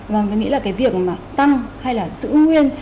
vâng tôi nghĩ là cái việc mà tăng hay là giữ nguyên